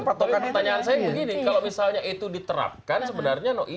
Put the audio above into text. tapi pertanyaan saya begini kalau misalnya itu diterapkan sebenarnya